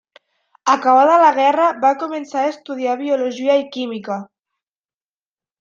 Acabada la guerra va començar a estudiar biologia i química.